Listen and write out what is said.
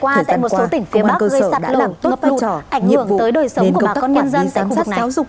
thời gian qua công an cơ sở đã làm tốt phát trò nhiệm vụ đến công tác quản lý giám sát giáo dục